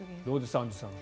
アンジュさん